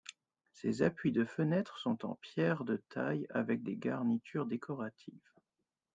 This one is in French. Ses appuis de fenêtre sont en pierre de taille avec des garnitures décoratives.